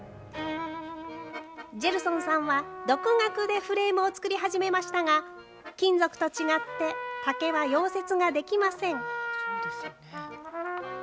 ジェルソンさんは、独学でフレームを作り始めましたが、金属と違って竹は溶接ができません。